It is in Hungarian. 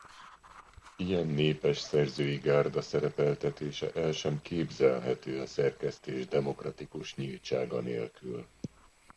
Ilyen népes szerzői gárda szerepeltetése el sem képzelhető a szerkesztés demokratikus nyíltsága nélkül.